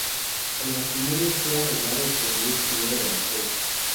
El matrimonio fue arreglado por Luis I de Anjou.